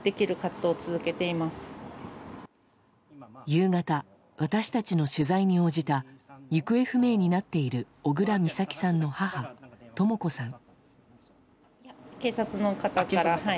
夕方、私たちの取材に応じた行方不明になっている小倉美咲さんの母とも子さん。